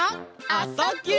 「あ・そ・ぎゅ」